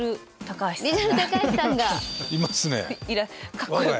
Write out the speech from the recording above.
かっこよく。